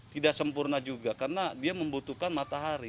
tidak sempurna juga karena dia membutuhkan matahari